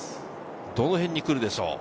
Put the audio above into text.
どの辺に来るでしょう？